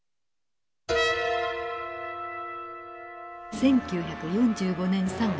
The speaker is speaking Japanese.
１９４５年３月。